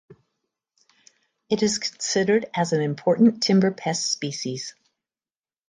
It is considered as an important timber pest species.